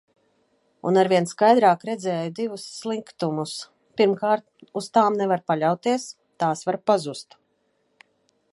Un arvien skaidrāk redzēju divus sliktumus. Pirmkārt, uz tām nevar paļauties. Tās var pazust.